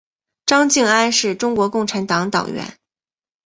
张敬安是中国共产党党员。